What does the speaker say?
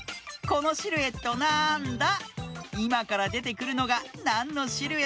このシルエットなんだ？